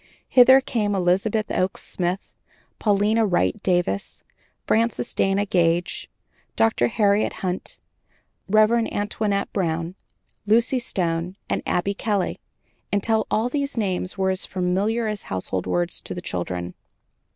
Hither came Elizabeth Oakes Smith, Paulina Wright Davis, Frances Dana Gage, Dr. Harriet Hunt, Rev. Antoinette Brown, Lucy Stone, and Abby Kelly, until all these names were as familiar as household words to the children.